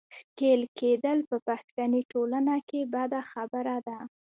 ښېل کېدل په پښتني ټولنه کې بده خبره ده.